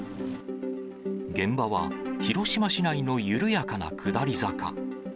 現場は広島市内の緩やかな下り坂。